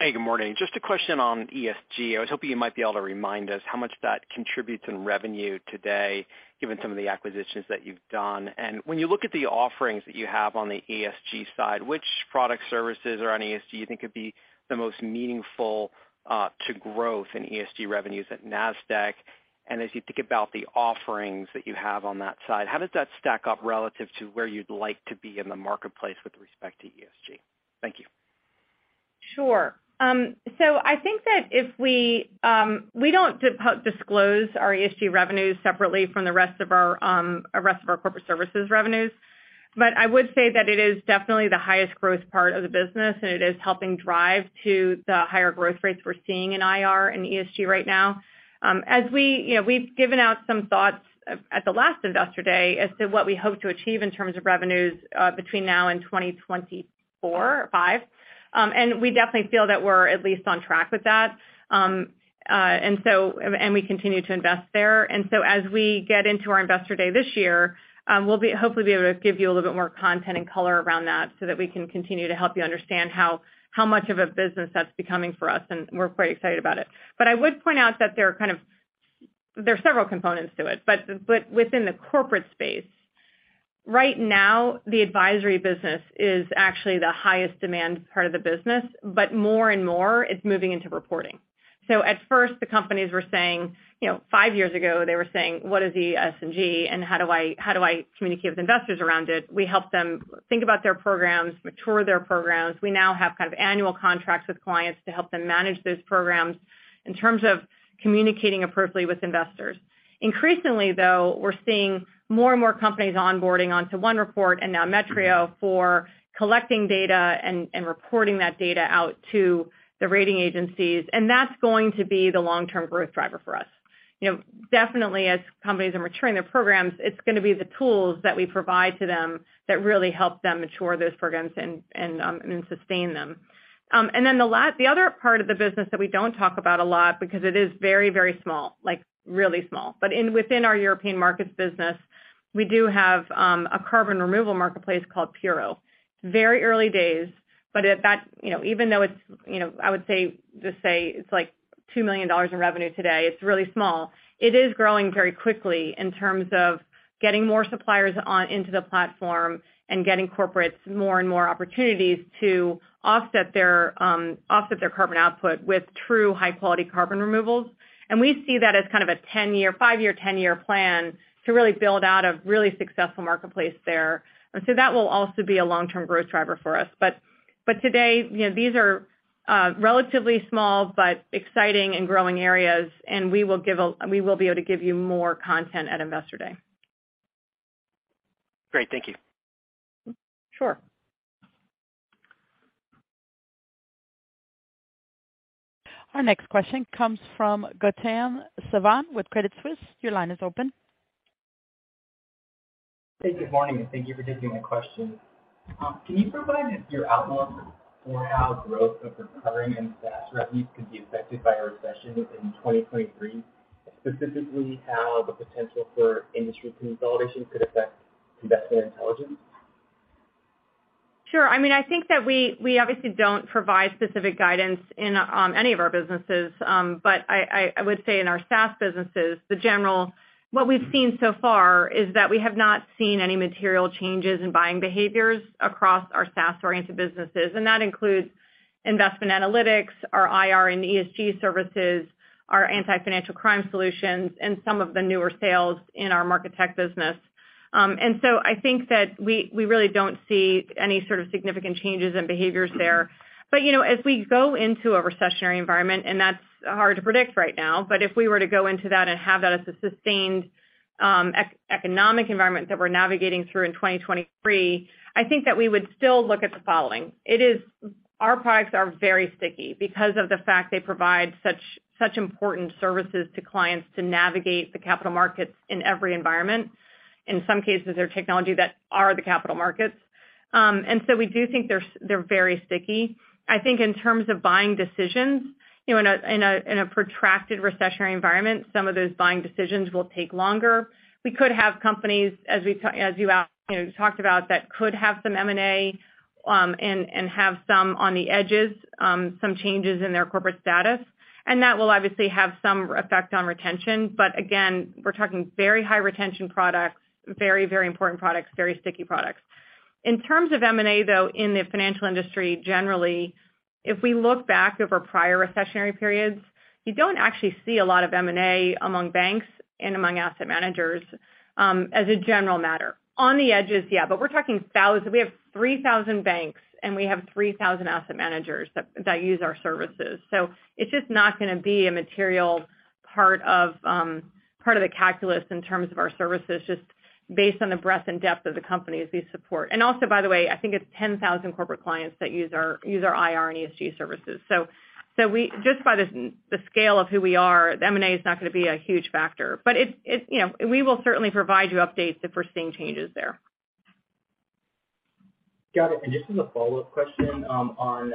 Hey, good morning. Just a question on ESG. I was hoping you might be able to remind us how much that contributes in revenue today, given some of the acquisitions that you've done. When you look at the offerings that you have on the ESG side, which product services are on ESG you think could be the most meaningful to growth in ESG revenues at Nasdaq? As you think about the offerings that you have on that side, how does that stack up relative to where you'd like to be in the marketplace with respect to ESG? Thank you. Sure. I think that if we don't disclose our ESG revenues separately from the rest of our corporate services revenues. I would say that it is definitely the highest growth part of the business, and it is helping drive to the higher growth rates we're seeing in IR and ESG right now. As we, you know, we've given out some thoughts at the last Investor Day as to what we hope to achieve in terms of revenues between now and 2025. We continue to invest there. As we get into our Investor Day this year, we'll hopefully be able to give you a little bit more content and color around that so that we can continue to help you understand how much of a business that's becoming for us, and we're quite excited about it. I would point out that there are several components to it. Within the corporate space, right now, the advisory business is actually the highest demand part of the business, but more and more, it's moving into reporting. At first, the companies were saying, you know, five years ago, they were saying, "What is ESG, and how do I communicate with investors around it?" We help them think about their programs, mature their programs. We now have kind of annual contracts with clients to help them manage those programs in terms of communicating appropriately with investors. Increasingly, though, we're seeing more and more companies onboarding onto OneReport and now Metrio for collecting data and reporting that data out to the rating agencies, and that's going to be the long-term growth driver for us. You know, definitely as companies are maturing their programs, it's gonna be the tools that we provide to them that really help them mature those programs and sustain them. And then the other part of the business that we don't talk about a lot because it is very, very small, like really small. But within our European markets business, we do have a carbon removal marketplace called Puro.earth. Very early days, but at that, you know, even though it's, you know, I would say, just say it's like $2 million in revenue today, it's really small. It is growing very quickly in terms of getting more suppliers on into the platform and getting corporates more and more opportunities to offset their carbon output with true high-quality carbon removals. We see that as kind of a 10-year, five-year, 10-year plan to really build out a really successful marketplace there. That will also be a long-term growth driver for us. Today, you know, these are relatively small but exciting and growing areas, and we will be able to give you more content at Investor Day. Great. Thank you. Sure. Our next question comes from Gautam Sawant with Credit Suisse. Your line is open. Hey, good morning, and thank you for taking my question. Can you provide your outlook for how growth of recurring and SaaS revenues could be affected by a recession in 2023, specifically how the potential for industry consolidation could affect investment intelligence? Sure. I mean, I think that we obviously don't provide specific guidance in any of our businesses. I would say in our SaaS businesses, what we've seen so far is that we have not seen any material changes in buying behaviors across our SaaS-oriented businesses, and that includes investment analytics, our IR and ESG services, our Anti-Financial Crime solutions, and some of the newer sales in our Market Tech business. I think that we really don't see any sort of significant changes in behaviors there. You know, as we go into a recessionary environment, and that's hard to predict right now, but if we were to go into that and have that as a sustained economic environment that we're navigating through in 2023, I think that we would still look at the following. Our products are very sticky because of the fact they provide such important services to clients to navigate the capital markets in every environment. In some cases, they're technology that are the capital markets. We do think they're very sticky. I think in terms of buying decisions, you know, in a protracted recessionary environment, some of those buying decisions will take longer. We could have companies, as you know, talked about, that could have some M&A and have some on the edges some changes in their corporate status, and that will obviously have some effect on retention. Again, we're talking very high retention products, very important products, very sticky products. In terms of M&A, though, in the financial industry, generally, if we look back over prior recessionary periods, you don't actually see a lot of M&A among banks and among asset managers, as a general matter. On the edges, yeah. We're talking thousands. We have 3,000 banks, and we have 3,000 asset managers that use our services. It's just not gonna be a material part of the calculus in terms of our services, just based on the breadth and depth of the companies we support. Also, by the way, I think it's 10,000 corporate clients that use our IR and ESG services. Just by the scale of who we are, the M&A is not gonna be a huge factor. You know, we will certainly provide you updates if we're seeing changes there. Got it. Just as a follow-up question, on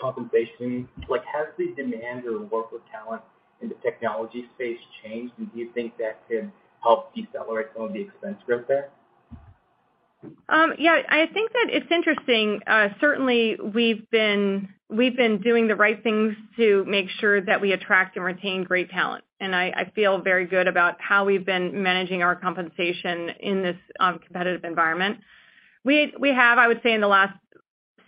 compensation. Like, has the demand or work with talent in the technology space changed? Do you think that could help decelerate some of the expense growth there? Yeah, I think that it's interesting. Certainly, we've been doing the right things to make sure that we attract and retain great talent, and I feel very good about how we've been managing our compensation in this competitive environment. We have, I would say, in the last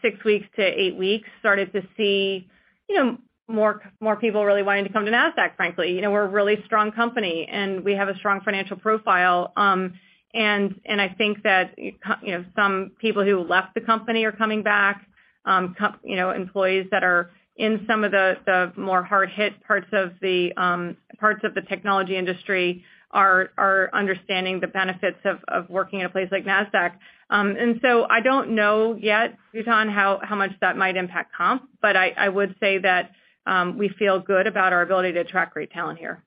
six weeks to eight weeks, started to see, you know, more people really wanting to come to Nasdaq, frankly. You know, we're a really strong company, and we have a strong financial profile. I think that, you know, some people who left the company are coming back. You know, employees that are in some of the more hard-hit parts of the technology industry are understanding the benefits of working at a place like Nasdaq. I don't know yet, Gautam, how much that might impact comp, but I would say that we feel good about our ability to attract great talent here.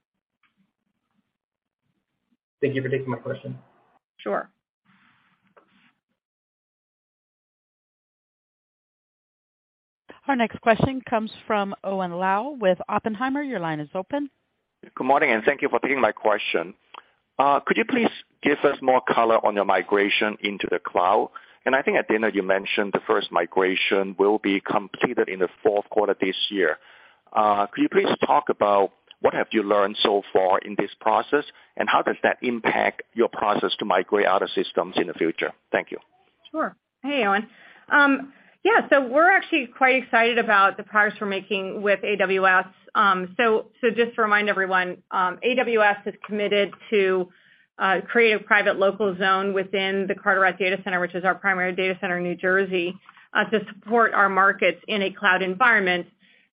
Thank you for taking my question. Sure. Our next question comes from Owen Lau with Oppenheimer. Your line is open. Good morning, and thank you for taking my question. Could you please give us more color on your migration into the cloud? I think at dinner you mentioned the first migration will be completed in the fourth quarter this year. Could you please talk about what have you learned so far in this process, and how does that impact your process to migrate other systems in the future? Thank you. Sure. Hey, Owen. Yeah, we're actually quite excited about the progress we're making with AWS. Just to remind everyone, AWS has committed to create a private local zone within the Carteret Data Center, which is our primary data center in New Jersey, to support our markets in a cloud environment.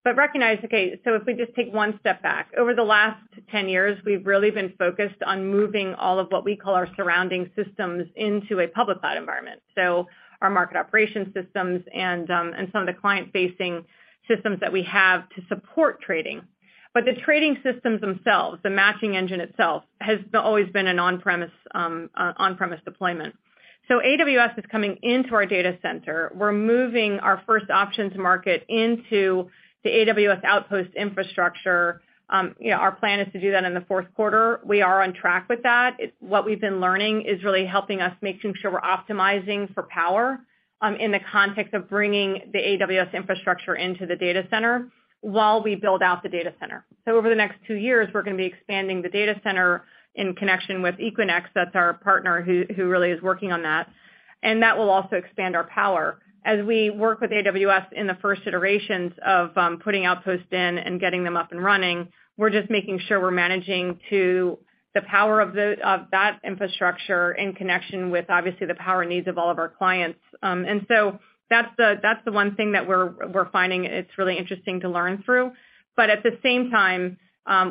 Recognize, okay, if we just take one step back. Over the last 10 years, we've really been focused on moving all of what we call our surrounding systems into a public cloud environment, so our market operations systems and some of the client-facing systems that we have to support trading. The trading systems themselves, the matching engine itself, has always been an on-premise deployment. AWS is coming into our data center. We're moving our first options market into the AWS Outposts infrastructure. You know, our plan is to do that in the fourth quarter. We are on track with that. What we've been learning is really helping us making sure we're optimizing for power, in the context of bringing the AWS infrastructure into the data center while we build out the data center. Over the next two years, we're gonna be expanding the data center in connection with Equinix. That's our partner who really is working on that. That will also expand our power. As we work with AWS in the first iterations of putting Outposts in and getting them up and running, we're just making sure we're managing to the power of that infrastructure in connection with, obviously, the power needs of all of our clients. That's the one thing that we're finding it's really interesting to learn through. But at the same time,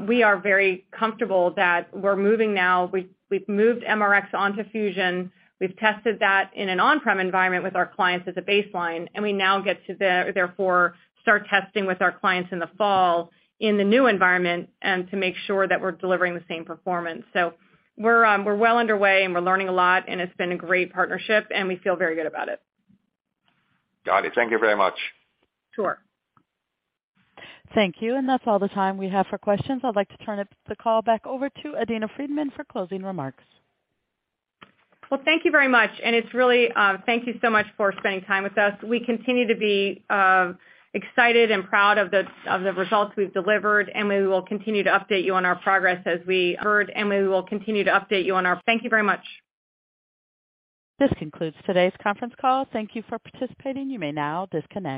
we are very comfortable that we're moving now. We've moved MRX onto Fusion. We've tested that in an on-prem environment with our clients as a baseline, and we now get to therefore start testing with our clients in the fall in the new environment, and to make sure that we're delivering the same performance. We're well underway, and we're learning a lot, and it's been a great partnership, and we feel very good about it. Got it. Thank you very much. Sure. Thank you. That's all the time we have for questions. I'd like to turn the call back over to Adena Friedman for closing remarks. Well, thank you very much. It's really thank you so much for spending time with us. We continue to be excited and proud of the results we've delivered, and we will continue to update you on our progress as we heard. Thank you very much. This concludes today's conference call. Thank you for participating. You may now disconnect.